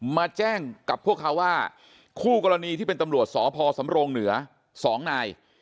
มาแจ้งกับพวกเขาว่าคู่กรณีที่เป็นตำรวจสพสำรงเหนือ๒นาย